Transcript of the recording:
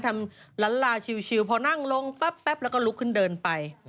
ล้านลาชิวพอนั่งลงปั๊บแล้วก็ลุกขึ้นเดินไป